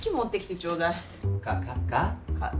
カカカカッ。